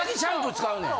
使うねん。